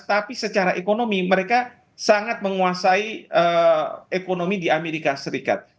tapi secara ekonomi mereka sangat menguasai ekonomi di amerika serikat